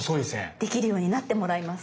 できるようになってもらいます。